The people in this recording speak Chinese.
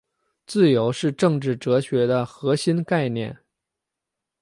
自由是政治哲学的核心概念。